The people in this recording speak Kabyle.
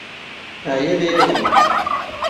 Ɛyiɣ i uḍneɣ.